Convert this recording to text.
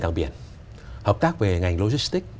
càng biển hợp tác về ngành logistic